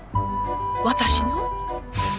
私の？